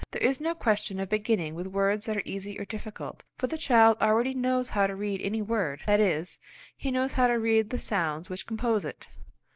There is no question of beginning with words that are easy or difficult, for the child already knows how to read any word; that is, he knows how to read the sounds which compose it.